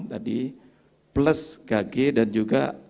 jadi plus gage dan juga